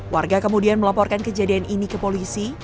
warga kemudian melaporkan kejadian ini ke polisi